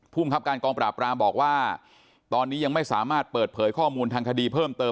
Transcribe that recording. ภูมิครับการกองปราบรามบอกว่าตอนนี้ยังไม่สามารถเปิดเผยข้อมูลทางคดีเพิ่มเติม